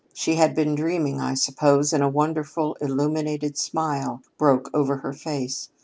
She had been dreaming, I suppose, and a wonderful illuminated smile broke over her face.